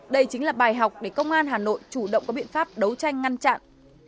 đây chính là bài học để công an hà nội chủ động có biện pháp đấu tranh ngăn chặn